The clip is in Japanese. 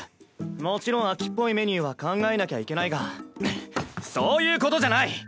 もちろん秋っぽいメニューは考えなきゃいけないがんっそういうことじゃない！